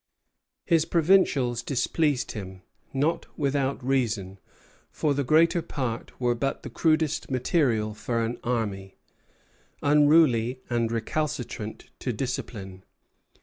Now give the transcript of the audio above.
His provincials displeased him, not without reason; for the greater part were but the crudest material for an army, unruly, and recalcitrant to discipline.